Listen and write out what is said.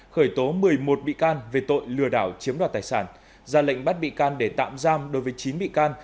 khởi tố một mươi một bị can về tội lừa đảo chiếm đoạt tài sản ra lệnh bắt bị can để tạm giam đối với chín bị can